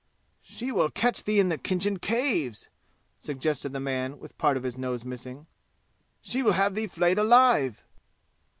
"She will catch thee in Khinjan Caves," suggested the man with part of his nose missing. "She will have thee flayed alive!"